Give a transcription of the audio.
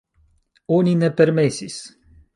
Oni ne permesis.